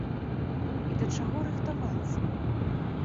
І да чаго рыхтавацца?